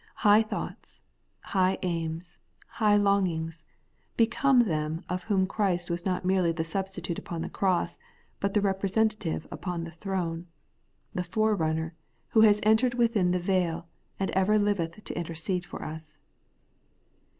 High thoughts, high aims, high longings, become them of whom Christ was not merely the substitute upon the cross, but the representative upon the throne, — the forerunner, who has entered within the veil, and ever liveth to intercede for us.